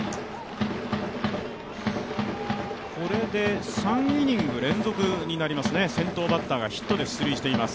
これで３イニング連続になりますね、先頭バッターがヒットで出塁しています。